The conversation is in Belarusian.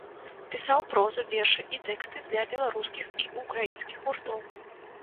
Пісаў прозу, вершы і тэксты для беларускіх і ўкраінскіх гуртоў.